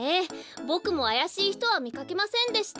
ボクもあやしいひとはみかけませんでした。